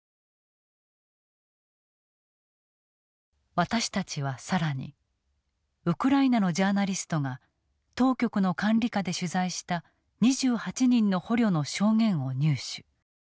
私たちは更にウクライナのジャーナリストが当局の管理下で取材した２８人の捕虜の証言を入手。